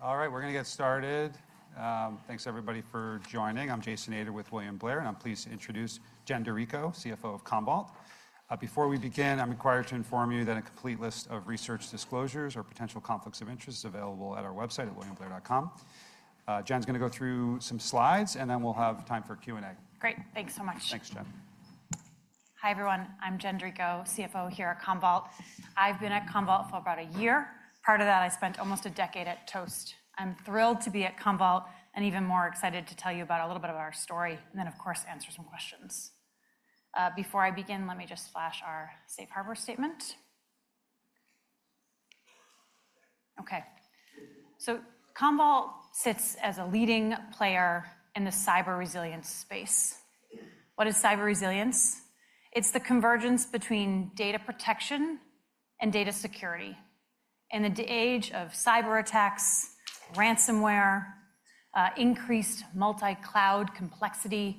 All right, we're going to get started. Thanks, everybody, for joining. I'm Jason Ader with William Blair, and I'm pleased to introduce Jen DiRico, CFO of Commvault. Before we begin, I'm required to inform you that a complete list of research disclosures or potential conflicts of interest is available at our website at williamblair.com. Jen's going to go through some slides, and then we'll have time for Q&A. Great. Thanks so much. Thanks, Jen. Hi, everyone. I'm Jen DiRico, CFO here at Commvault. I've been at Commvault for about a year. Prior to that, I spent almost a decade at Toast. I'm thrilled to be at Commvault and even more excited to tell you about a little bit of our story and then, of course, answer some questions. Before I begin, let me just flash our safe harbor statement. OK. Commvault sits as a leading player in the cyber resilience space. What is cyber resilience? It's the convergence between data protection and data security. In the age of cyber attacks, ransomware, increased multi-cloud complexity,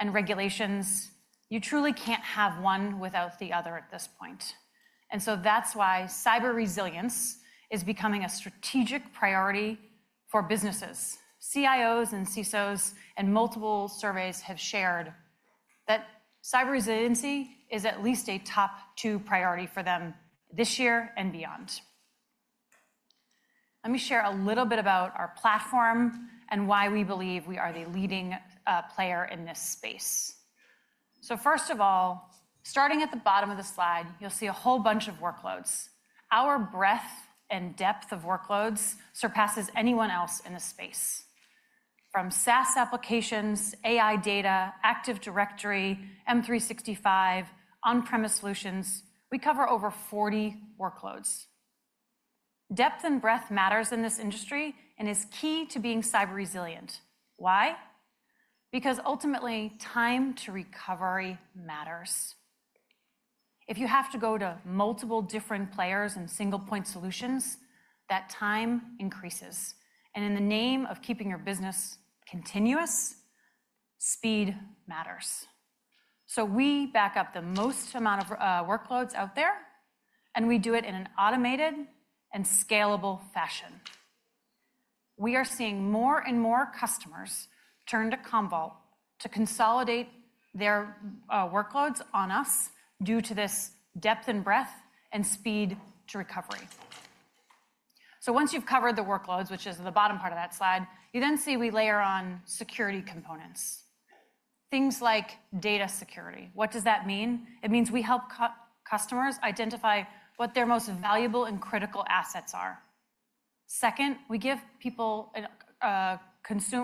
and regulations, you truly can't have one without the other at this point. That is why cyber resilience is becoming a strategic priority for businesses. CIOs and CISOs and multiple surveys have shared that cyber resiliency is at least a top two priority for them this year and beyond. Let me share a little bit about our platform and why we believe we are the leading player in this space. First of all, starting at the bottom of the slide, you'll see a whole bunch of workloads. Our breadth and depth of workloads surpasses anyone else in this space. From SaaS applications, AI data, Active Directory, M365, on-premise solutions, we cover over 40 workloads. Depth and breadth matter in this industry and is key to being cyber resilient. Why? Because ultimately, time to recovery matters. If you have to go to multiple different players and single point solutions, that time increases. In the name of keeping your business continuous, speed matters. We back up the most amount of workloads out there, and we do it in an automated and scalable fashion. We are seeing more and more customers turn to Commvault to consolidate their workloads on us due to this depth and breadth and speed to recovery. Once you've covered the workloads, which is the bottom part of that slide, you then see we layer on security components, things like data security. What does that mean? It means we help customers identify what their most valuable and critical assets are. Second, we give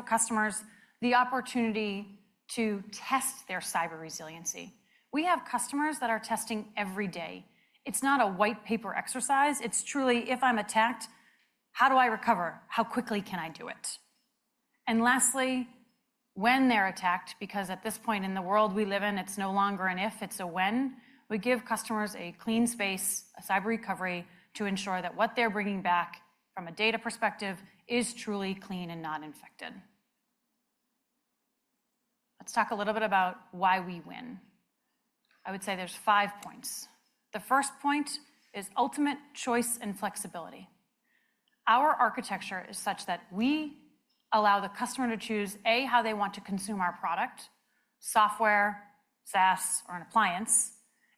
customers the opportunity to test their cyber resiliency. We have customers that are testing every day. It's not a white paper exercise. It's truly, if I'm attacked, how do I recover? How quickly can I do it? Lastly, when they're attacked, because at this point in the world we live in, it's no longer an if, it's a when, we give customers a clean space, a cyber recovery, to ensure that what they're bringing back from a data perspective is truly clean and not infected. Let's talk a little bit about why we win. I would say there's five points. The first point is ultimate choice and flexibility. Our architecture is such that we allow the customer to choose, A, how they want to consume our product, software, SaaS, or an appliance,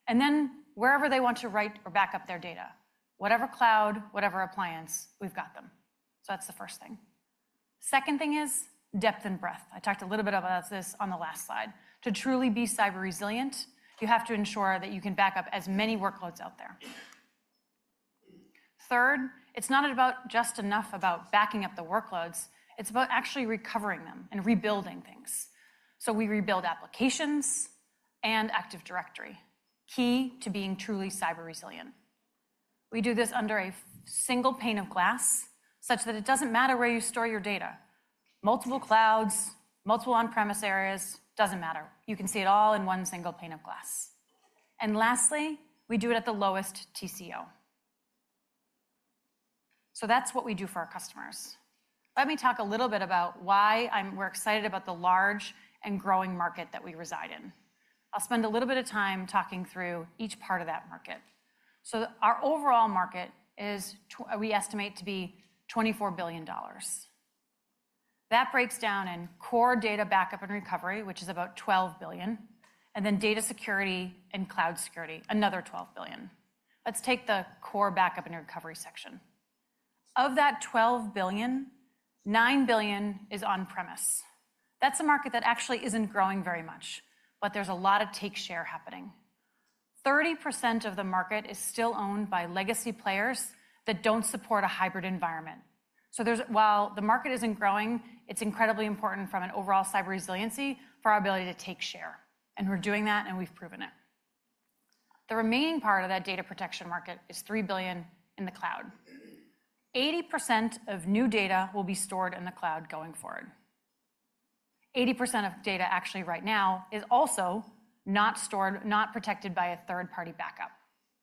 and then wherever they want to write or back up their data, whatever cloud, whatever appliance, we've got them. That's the first thing. The second thing is depth and breadth. I talked a little bit about this on the last slide. To truly be cyber resilient, you have to ensure that you can back up as many workloads out there. Third, it's not just enough about backing up the workloads. It's about actually recovering them and rebuilding things. We rebuild applications and Active Directory, key to being truly cyber resilient. We do this under a single pane of glass such that it doesn't matter where you store your data. Multiple clouds, multiple on-premise areas, doesn't matter. You can see it all in one single pane of glass. Lastly, we do it at the lowest TCO. That's what we do for our customers. Let me talk a little bit about why we're excited about the large and growing market that we reside in. I'll spend a little bit of time talking through each part of that market. Our overall market is we estimate to be $24 billion. That breaks down in core data, backup, and recovery, which is about $12 billion, and then data security and cloud security, another $12 billion. Let's take the core backup and recovery section. Of that $12 billion, $9 billion is on-premise. That's a market that actually isn't growing very much, but there's a lot of take share happening. 30% of the market is still owned by legacy players that don't support a hybrid environment. While the market isn't growing, it's incredibly important from an overall cyber resiliency for our ability to take share. And we're doing that, and we've proven it. The remaining part of that data protection market is $3 billion in the cloud. 80% of new data will be stored in the cloud going forward. 80% of data actually right now is also not stored, not protected by a third-party backup.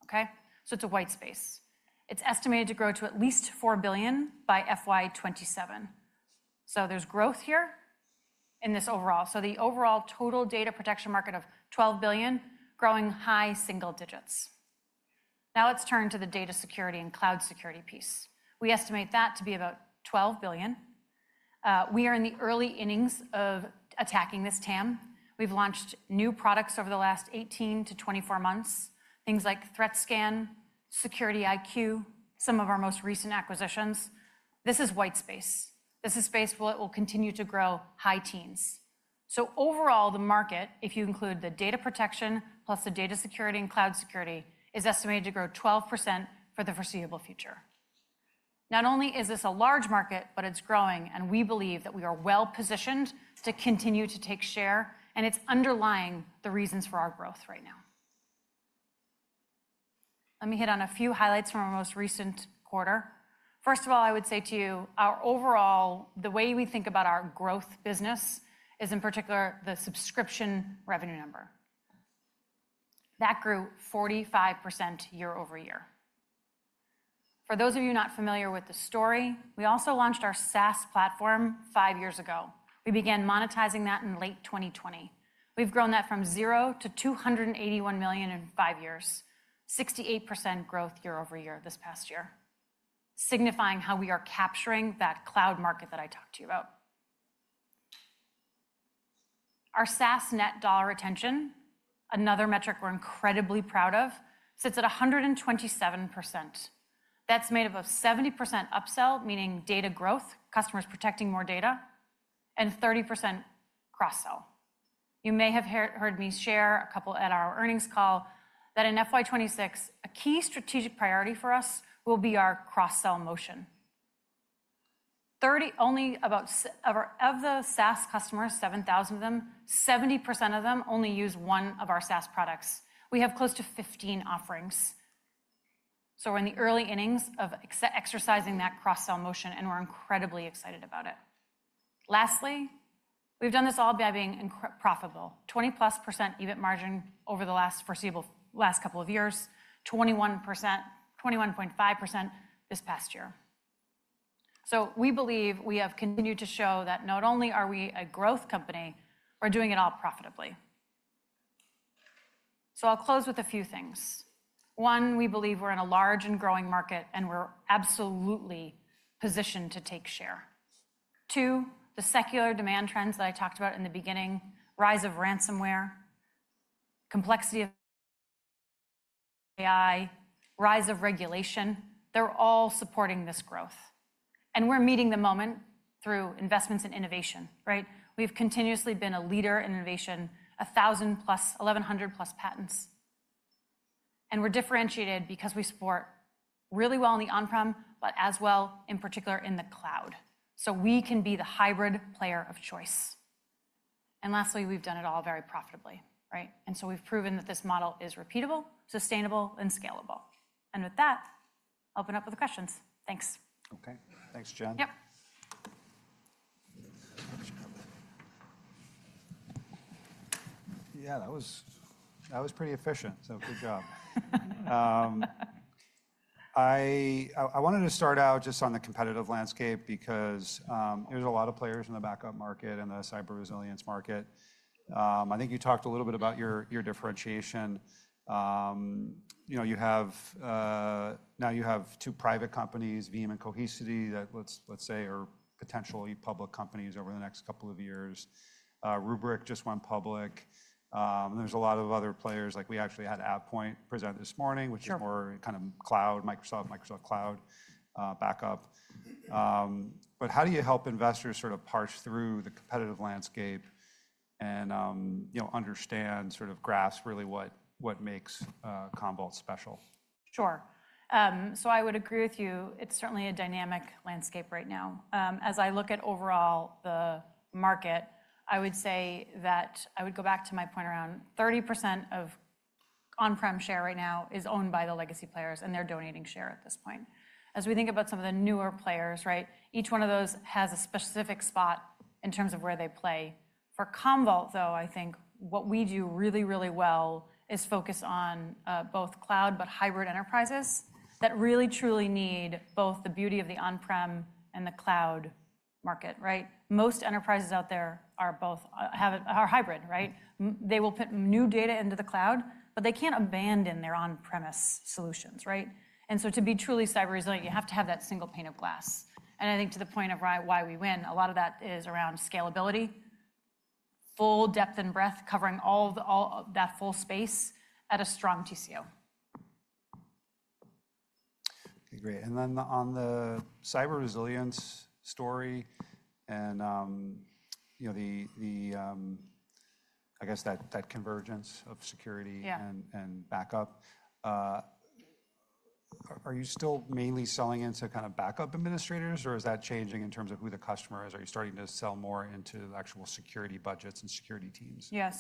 OK? It's a white space. It's estimated to grow to at least $4 billion by FY2027. There is growth here in this overall. The overall total data protection market of $12 billion is growing high single digits. Now let's turn to the data security and cloud security piece. We estimate that to be about $12 billion. We are in the early innings of attacking this TAM. We've launched new products over the last 18 to 24 months, things like ThreatScan, SecurityIQ, some of our most recent acquisitions. This is white space. This is space where it will continue to grow high teens. Overall, the market, if you include the data protection plus the data security and cloud security, is estimated to grow 12% for the foreseeable future. Not only is this a large market, but it's growing, and we believe that we are well positioned to continue to take share. It's underlying the reasons for our growth right now. Let me hit on a few highlights from our most recent quarter. First of all, I would say to you, overall, the way we think about our growth business is in particular the subscription revenue number. That grew 45% year over year. For those of you not familiar with the story, we also launched our SaaS platform five years ago. We began monetizing that in late 2020. We've grown that from $0 to $281 million in five years, 68% growth year over year this past year, signifying how we are capturing that cloud market that I talked to you about. Our SaaS net dollar retention, another metric we're incredibly proud of, sits at 127%. That's made up of 70% upsell, meaning data growth, customers protecting more data, and 30% cross-sell. You may have heard me share a couple at our earnings call that in FY26, a key strategic priority for us will be our cross-sell motion. Only about 7,000 of the SaaS customers, 70% of them only use one of our SaaS products. We have close to 15 offerings. We are in the early innings of exercising that cross-sell motion, and we are incredibly excited about it. Lastly, we have done this all by being profitable, 20% plus margin over the last couple of years, 21%, 21.5% this past year. We believe we have continued to show that not only are we a growth company, we are doing it all profitably. I will close with a few things. One, we believe we are in a large and growing market, and we are absolutely positioned to take share. Two, the secular demand trends that I talked about in the beginning, rise of ransomware, complexity of AI, rise of regulation, they're all supporting this growth. We are meeting the moment through investments in innovation, right? We have continuously been a leader in innovation, 1,000 plus, 1,100 plus patents. We are differentiated because we support really well in the on-prem, but as well in particular in the cloud. We can be the hybrid player of choice. Lastly, we have done it all very profitably, right? We have proven that this model is repeatable, sustainable, and scalable. With that, I will open up with the questions. Thanks. OK. Thanks, Jen. Yep. Yeah, that was pretty efficient. So good job. I wanted to start out just on the competitive landscape because there's a lot of players in the backup market and the cyber resilience market. I think you talked a little bit about your differentiation. You have now you have two private companies, Veeam and Cohesity, that let's say are potentially public companies over the next couple of years. Rubrik just went public. There's a lot of other players. Like we actually had AvePoint present this morning, which is more kind of cloud, Microsoft, Microsoft Cloud backup. But how do you help investors sort of parse through the competitive landscape and understand, sort of grasp really what makes Commvault special? Sure. I would agree with you. It's certainly a dynamic landscape right now. As I look at overall the market, I would say that I would go back to my point around 30% of on-prem share right now is owned by the legacy players, and they're donating share at this point. As we think about some of the newer players, right, each one of those has a specific spot in terms of where they play. For Commvault, though, I think what we do really, really well is focus on both cloud but hybrid enterprises that really, truly need both the beauty of the on-prem and the cloud market, right? Most enterprises out there are hybrid, right? They will put new data into the cloud, but they can't abandon their on-premise solutions, right? To be truly cyber resilient, you have to have that single pane of glass. I think to the point of why we win, a lot of that is around scalability, full depth and breadth, covering all that full space at a strong TCO. Great. On the cyber resilience story and I guess that convergence of security and backup, are you still mainly selling into kind of backup administrators, or is that changing in terms of who the customer is? Are you starting to sell more into actual security budgets and security teams? Yeah.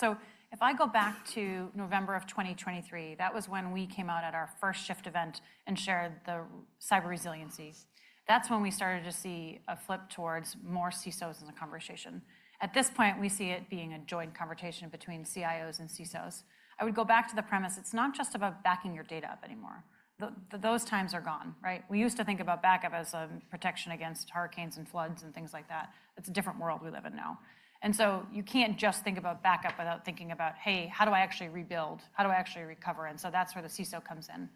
If I go back to November of 2023, that was when we came out at our first shift event and shared the cyber resiliency. That's when we started to see a flip towards more CISOs in the conversation. At this point, we see it being a joint conversation between CIOs and CISOs. I would go back to the premise. It's not just about backing your data up anymore. Those times are gone, right? We used to think about backup as a protection against hurricanes and floods and things like that. It's a different world we live in now. You can't just think about backup without thinking about, hey, how do I actually rebuild? How do I actually recover? That's where the CISO comes in.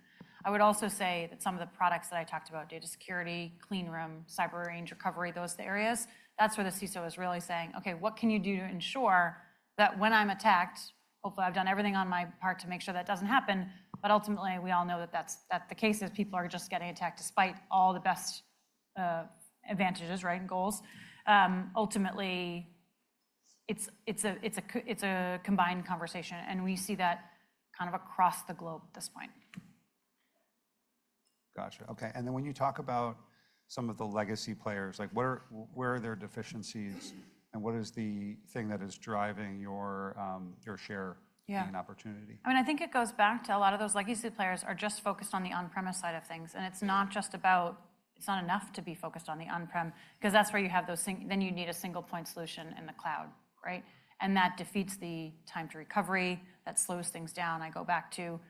I would also say that some of the products that I talked about, data security, Clean Room, cyber range recovery, those areas, that's where the CISO is really saying, OK, what can you do to ensure that when I'm attacked, hopefully I've done everything on my part to make sure that doesn't happen, but ultimately we all know that that's the case as people are just getting attacked despite all the best advantages, right, and goals. Ultimately, it's a combined conversation, and we see that kind of across the globe at this point. Gotcha. OK. When you talk about some of the legacy players, where are their deficiencies and what is the thing that is driving your share and opportunity? I mean, I think it goes back to a lot of those legacy players are just focused on the on-premise side of things. It's not just about, it's not enough to be focused on the on-prem, because that's where you have those things. You need a single point solution in the cloud, right? That defeats the time to recovery. That slows things down. I go back to,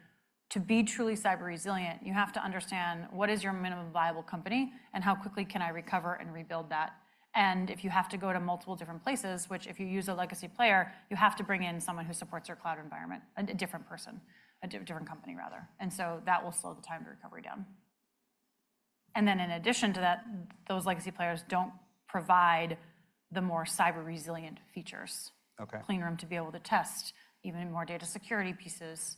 to be truly cyber resilient, you have to understand what is your minimum viable company and how quickly can I recover and rebuild that. If you have to go to multiple different places, which if you use a legacy player, you have to bring in someone who supports your cloud environment, a different person, a different company rather. That will slow the time to recovery down. In addition to that, those legacy players do not provide the more cyber resilient features, Clean Room to be able to test, even more data security pieces.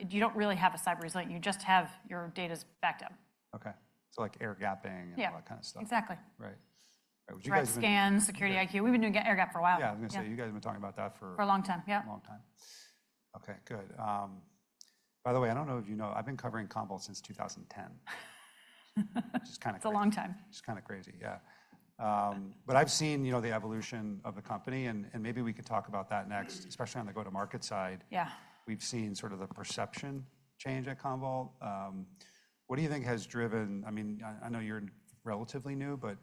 You do not really have a cyber resilience. You just have your data's backed up. OK. So like air gapping and all that kind of stuff. Yeah, exactly. Right. ThreatScan, SecurityIQ. We've been doing air gap for a while. Yeah, I was going to say, you guys have been talking about that for. For a long time, yeah. A long time. OK, good. By the way, I don't know if you know, I've been covering Commvault since 2010. Just kind of. It's a long time. Just kind of crazy, yeah. I've seen the evolution of the company, and maybe we could talk about that next, especially on the go-to-market side. Yeah. We've seen sort of the perception change at Commvault. What do you think has driven? I mean, I know you're relatively new, but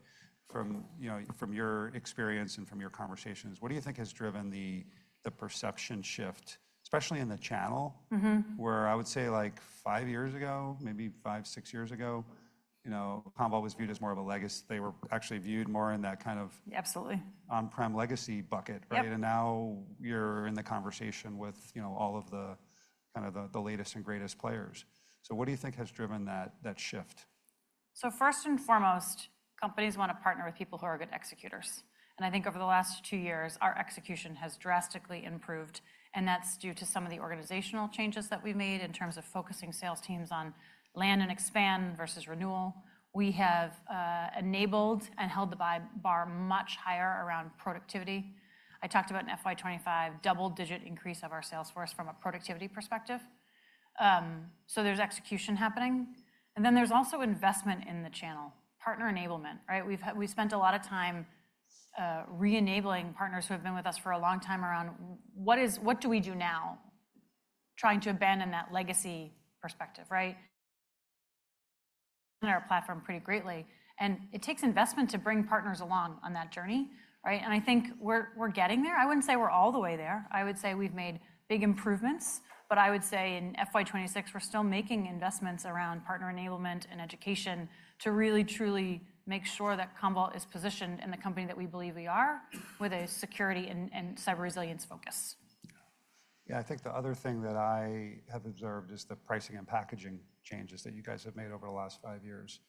from your experience and from your conversations, what do you think has driven the perception shift, especially in the channel, where I would say like five years ago, maybe five, six years ago, Commvault was viewed as more of a legacy. They were actually viewed more in that kind of. Absolutely. On-prem legacy bucket, Right. Now you're in the conversation with all of the kind of the latest and greatest players. What do you think has driven that shift? First and foremost, companies want to partner with people who are good executors. I think over the last two years, our execution has drastically improved. That is due to some of the organizational changes that we have made in terms of focusing sales teams on land and expand versus renewal. We have enabled and held the bar much higher around productivity. I talked about an FY2025 double-digit increase of our sales force from a productivity perspective. There is execution happening. There is also investment in the channel, partner enablement, right? We have spent a lot of time re-enabling partners who have been with us for a long time around what do we do now, trying to abandon that legacy perspective, right? Our platform pretty greatly. It takes investment to bring partners along on that journey, right? I think we are getting there. I wouldn't say we're all the way there. I would say we've made big improvements. I would say in FY2026, we're still making investments around partner enablement and education to really, truly make sure that Commvault is positioned in the company that we believe we are with a security and cyber resilience focus. Yeah, I think the other thing that I have observed is the pricing and packaging changes that you guys have made over the last five years.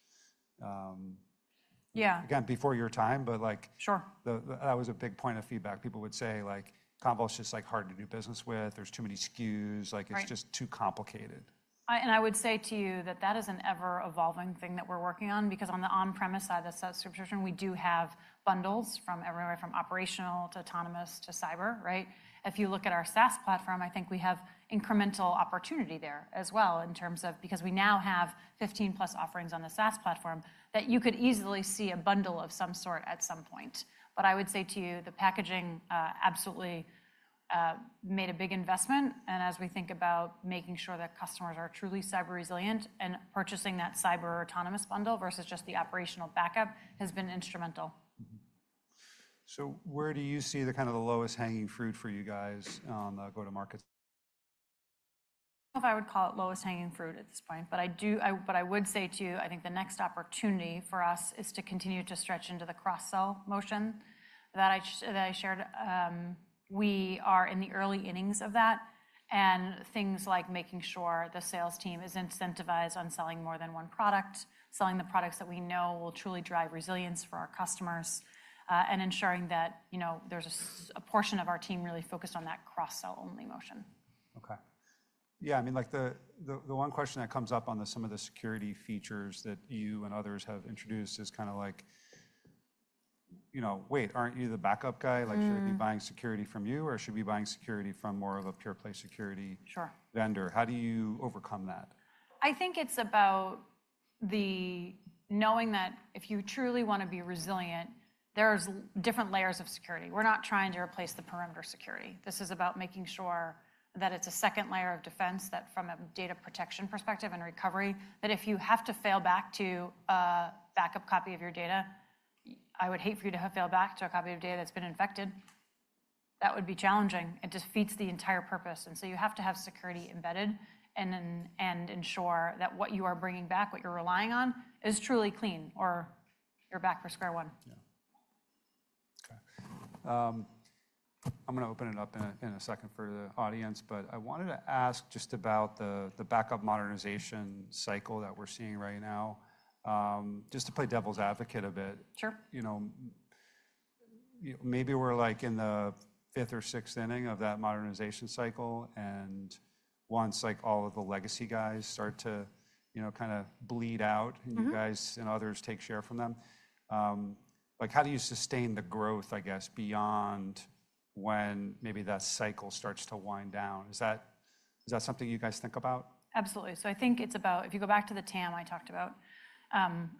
Yeah. Again, before your time, but like. Sure. That was a big point of feedback. People would say like Commvault's just like hard to do business with. There's too many SKUs. Like it's just too complicated. I would say to you that that is an ever-evolving thing that we're working on, because on the on-premise side of the subscription, we do have bundles from everywhere, from operational to autonomous to cyber, right? If you look at our SaaS platform, I think we have incremental opportunity there as well in terms of because we now have 15 plus offerings on the SaaS platform that you could easily see a bundle of some sort at some point. I would say to you, the packaging absolutely made a big investment. As we think about making sure that customers are truly cyber resilient and purchasing that cyber autonomous bundle versus just the operational backup has been instrumental. Where do you see the kind of the lowest hanging fruit for you guys on the go-to-market? I would call it lowest hanging fruit at this point. I would say to you, I think the next opportunity for us is to continue to stretch into the cross-sell motion that I shared. We are in the early innings of that. Things like making sure the sales team is incentivized on selling more than one product, selling the products that we know will truly drive resilience for our customers, and ensuring that there's a portion of our team really focused on that cross-sell only motion. OK. Yeah, I mean, like the one question that comes up on some of the security features that you and others have introduced is kind of like, wait, aren't you the backup guy? Like should I be buying security from you, or should we be buying security from more of a pure play security vendor? How do you overcome that? I think it's about knowing that if you truly want to be resilient, there are different layers of security. We're not trying to replace the perimeter security. This is about making sure that it's a second layer of defense that from a data protection perspective and recovery, that if you have to fail back to a backup copy of your data, I would hate for you to have failed back to a copy of data that's been infected. That would be challenging. It defeats the entire purpose. You have to have security embedded and ensure that what you are bringing back, what you're relying on, is truly clean or you're back for square one. Yeah. OK. I'm going to open it up in a second for the audience. I wanted to ask just about the backup modernization cycle that we're seeing right now, just to play devil's advocate a bit. Sure. Maybe we're like in the fifth or sixth inning of that modernization cycle. Once all of the legacy guys start to kind of bleed out and you guys and others take share from them, how do you sustain the growth, I guess, beyond when maybe that cycle starts to wind down? Is that something you guys think about? Absolutely. I think it's about if you go back to the TAM I talked about,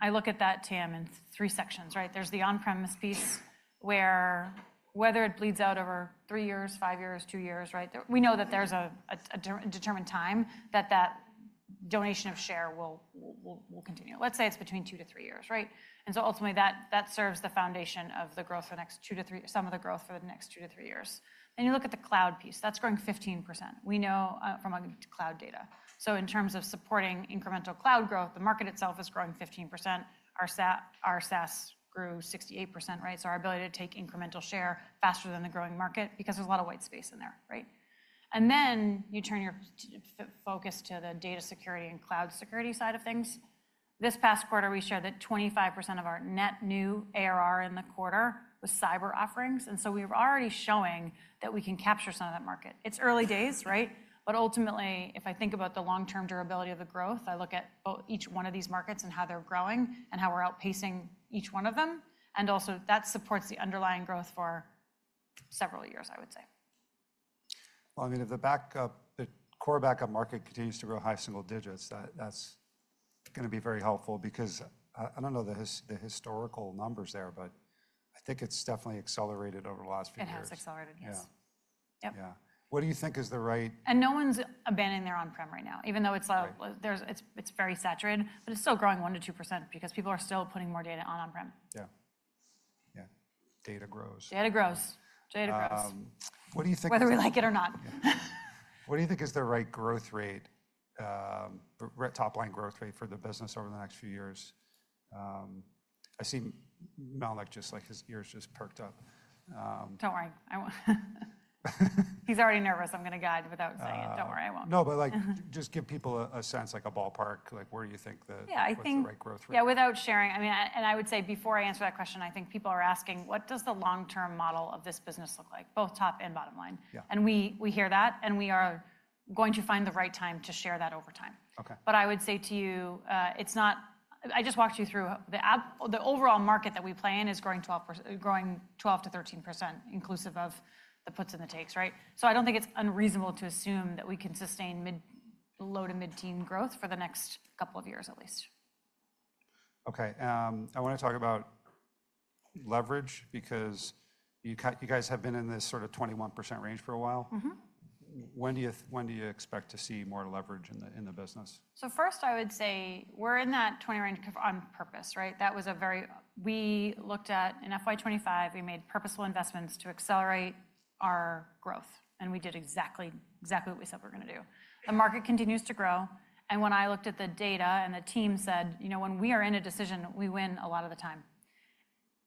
I look at that TAM in three sections, right? There's the on-premise piece where whether it bleeds out over three years, five years, two years, right? We know that there's a determined time that that donation of share will continue. Let's say it's between two to three years, right? Ultimately that serves the foundation of the growth for the next two to three, some of the growth for the next two to three years. You look at the cloud piece, that's growing 15%. We know from cloud data. In terms of supporting incremental cloud growth, the market itself is growing 15%. Our SaaS grew 68%, right? Our ability to take incremental share faster than the growing market because there's a lot of white space in there, right? Then you turn your focus to the data security and cloud security side of things. This past quarter, we shared that 25% of our net new ARR in the quarter was cyber offerings. We were already showing that we can capture some of that market. It's early days, right? Ultimately, if I think about the long-term durability of the growth, I look at each one of these markets and how they're growing and how we're outpacing each one of them. Also, that supports the underlying growth for several years, I would say. I mean, if the backup, the core backup market continues to grow high single digits, that's going to be very helpful because I don't know the historical numbers there, but I think it's definitely accelerated over the last few years. It has accelerated, yes. Yeah. Yep. Yeah. What do you think is the right? No one's abandoning their on-prem right now, even though it's very saturated, but it's still growing 1%-2% because people are still putting more data on on-prem. Yeah. Yeah. Data grows. Data grows. What do you think? Whether we like it or not. What do you think is the right growth rate, top line growth rate for the business over the next few years? I see Malik, just like his ears just perked up. Don't worry. He's already nervous. I'm going to guide without saying it. Don't worry. I won't. No, but like just give people a sense, like a ballpark, like where do you think the right growth rate? Yeah, without sharing. I mean, and I would say before I answer that question, I think people are asking, what does the long-term model of this business look like, both top and bottom line? And we hear that, and we are going to find the right time to share that over time. I would say to you, it's not I just walked you through the overall market that we play in is growing 12%-13%, inclusive of the puts and the takes, right? I don't think it's unreasonable to assume that we can sustain low to mid-teen growth for the next couple of years at least. OK. I want to talk about leverage because you guys have been in this sort of 21% range for a while. When do you expect to see more leverage in the business? First, I would say we're in that 20 range on purpose, right? That was a very, we looked at in FY2025, we made purposeful investments to accelerate our growth. We did exactly what we said we were going to do. The market continues to grow. When I looked at the data and the team said, you know, when we are in a decision, we win a lot of the time.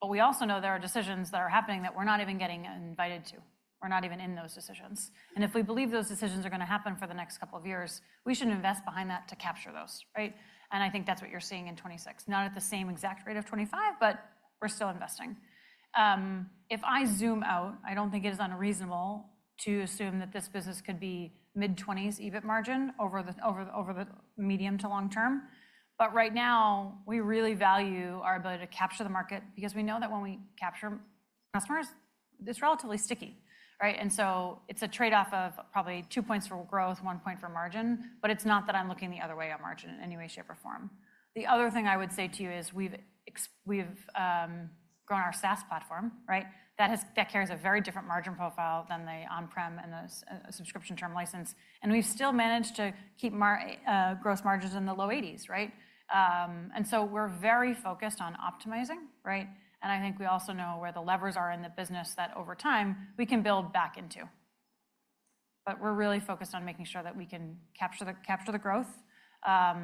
We also know there are decisions that are happening that we're not even getting invited to. We're not even in those decisions. If we believe those decisions are going to happen for the next couple of years, we should invest behind that to capture those, right? I think that's what you're seeing in 2026, not at the same exact rate of 2025, but we're still investing. If I zoom out, I don't think it is unreasonable to assume that this business could be mid-20s EBIT margin over the medium to long term. Right now, we really value our ability to capture the market because we know that when we capture customers, it's relatively sticky, right? It's a trade-off of probably two points for growth, one point for margin. It's not that I'm looking the other way on margin in any way, shape, or form. The other thing I would say to you is we've grown our SaaS platform, right? That carries a very different margin profile than the on-prem and the subscription term license. We've still managed to keep gross margins in the low 80s, right? We're very focused on optimizing, right? I think we also know where the levers are in the business that over time we can build back into. We are really focused on making sure that we can capture the growth. We are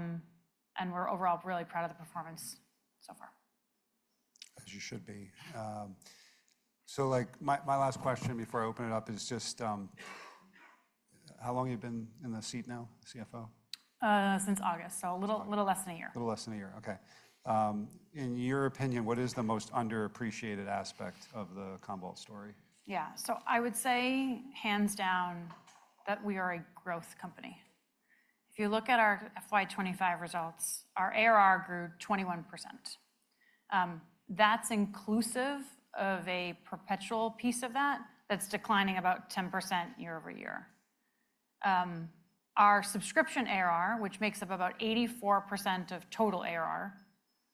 overall really proud of the performance so far. As you should be. Like my last question before I open it up is just how long have you been in the seat now, CFO? Since August, so a little less than a year. A little less than a year, OK. In your opinion, what is the most underappreciated aspect of the Commvault story? Yeah, so I would say hands down that we are a growth company. If you look at our FY2025 results, our ARR grew 21%. That's inclusive of a perpetual piece of that that's declining about 10% year over year. Our subscription ARR, which makes up about 84% of total ARR,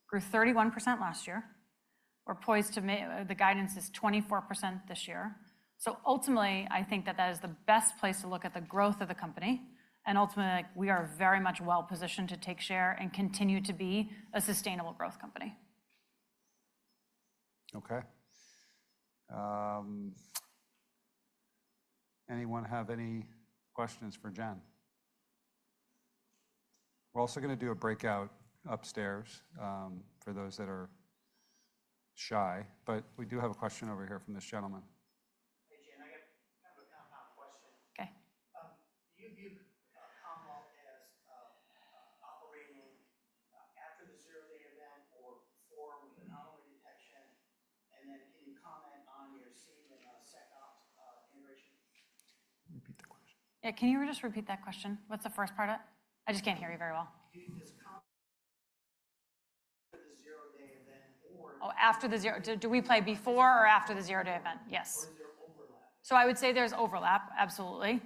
grew 31% last year. We're poised to, the guidance is 24% this year. Ultimately, I think that that is the best place to look at the growth of the company. Ultimately, we are very much well positioned to take share and continue to be a sustainable growth company. OK. Anyone have any questions for Jen? We're also going to do a breakout upstairs for those that are shy. We do have a question over here from this gentleman. Hey, Jen, I have a compound question. OK. Do you view Commvault as operating after the zero-day event or before with anomaly detection? Can you comment on your seed and SecOps integration? Repeat the question. Yeah, can you just repeat that question? What's the first part of it? I just can't hear you very well. Do you view this after the zero-day event or? Oh, after the zero. Do we play before or after the zero-day event? Yes. Or is there overlap? I would say there's overlap, absolutely.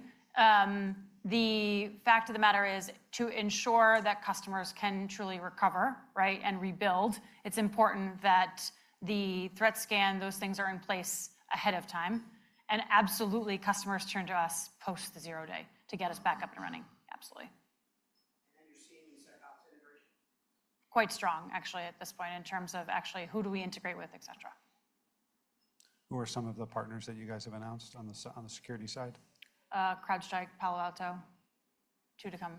The fact of the matter is to ensure that customers can truly recover, right, and rebuild, it's important that the ThreatScan, those things are in place ahead of time. Absolutely, customers turn to us post the zero-day to get us back up and running, absolutely. You're seeing SecOps integration? Quite strong, actually, at this point in terms of actually who do we integrate with, et cetera. Who are some of the partners that you guys have announced on the security side? CrowdStrike, Palo Alto, two to come.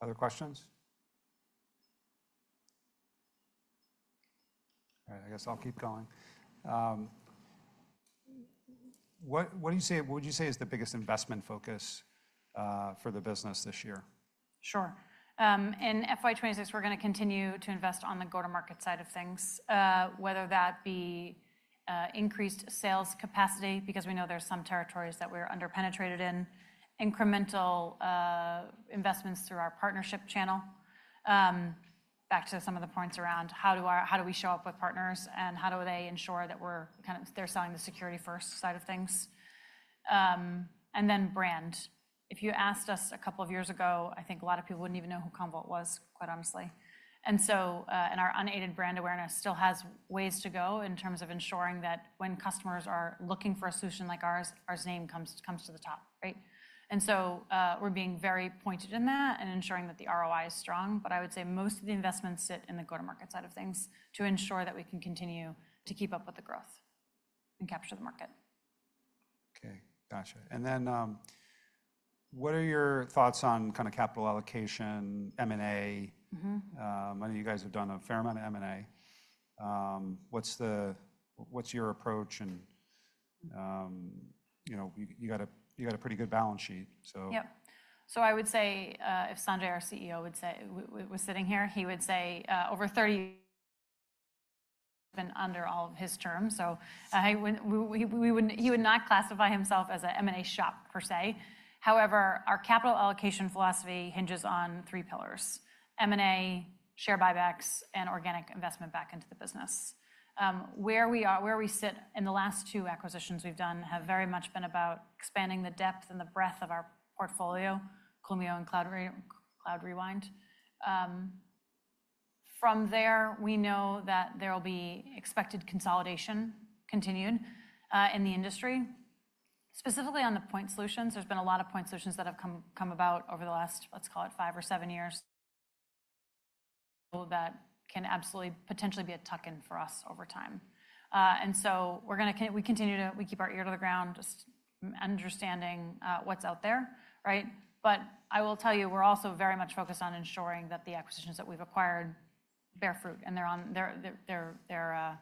Other questions? All right, I guess I'll keep going. What do you say is the biggest investment focus for the business this year? Sure. In FY26, we're going to continue to invest on the go-to-market side of things, whether that be increased sales capacity, because we know there's some territories that we're under-penetrated in, incremental investments through our partnership channel, back to some of the points around how do we show up with partners and how do they ensure that we're kind of there selling the security first side of things. Then brand. If you asked us a couple of years ago, I think a lot of people wouldn't even know who Commvault was, quite honestly. Our unaided brand awareness still has ways to go in terms of ensuring that when customers are looking for a solution like ours, our name comes to the top, right? We're being very pointed in that and ensuring that the ROI is strong. I would say most of the investments sit in the go-to-market side of things to ensure that we can continue to keep up with the growth and capture the market. OK, gotcha. What are your thoughts on kind of capital allocation, M&A? I know you guys have done a fair amount of M&A. What's your approach? You got a pretty good balance sheet, so. Yep. I would say if Sanjay, our CEO, was sitting here, he would say over 30% has been under all of his terms. He would not classify himself as an M&A shop, per se. However, our capital allocation philosophy hinges on three pillars: M&A, share buybacks, and organic investment back into the business. Where we sit, the last two acquisitions we've done have very much been about expanding the depth and the breadth of our portfolio, Clumio and Cloud Rewind. From there, we know that there will be expected consolidation continued in the industry. Specifically on the point solutions, there's been a lot of point solutions that have come about over the last, let's call it, five or seven years that can absolutely potentially be a tuck-in for us over time. We continue to keep our ear to the ground, just understanding what's out there, right? I will tell you, we're also very much focused on ensuring that the acquisitions that we've acquired bear fruit, and they're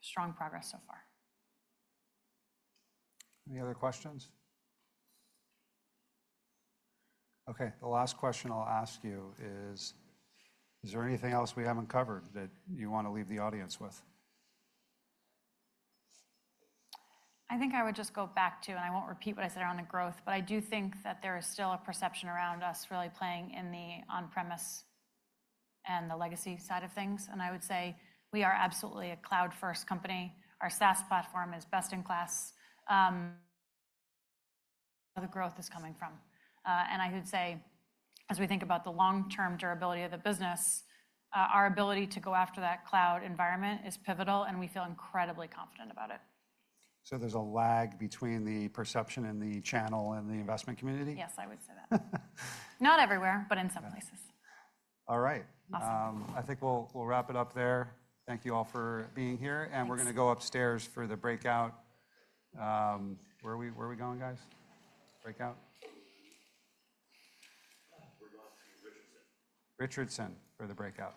strong progress so far. Any other questions? OK, the last question I'll ask you is, is there anything else we haven't covered that you want to leave the audience with? I think I would just go back to, and I won't repeat what I said around the growth, but I do think that there is still a perception around us really playing in the on-premise and the legacy side of things. I would say we are absolutely a cloud-first company. Our SaaS platform is best in class. The growth is coming from. I would say, as we think about the long-term durability of the business, our ability to go after that cloud environment is pivotal, and we feel incredibly confident about it. There's a lag between the perception and the channel and the investment community? Yes, I would say that. Not everywhere, but in some places. All right. Awesome. I think we'll wrap it up there. Thank you all for being here. We're going to go upstairs for the breakout. Where are we going, guys? Breakout? We're going to Richardson. Richardson for the breakout.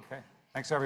OK, thanks everyone.